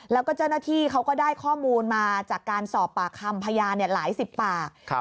แล้วก็เจ้าหน้าที่เขาก็ได้ข้อมูลมาจากการสอบปากคำพยานหลายสิบปาก